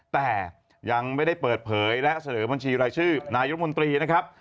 แต่ยังไม่ได้เปิดเผยและเสนอบัญชีรายชื่อนายกมนตรีนะครับ